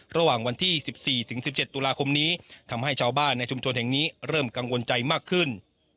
ระหว่างวันที่๑๔ถึง๑๗ตุลาคมนี้ทำให้ชาวบ้านในชุมชนแห่งนี้เริ่มกังวลใจมากขึ้น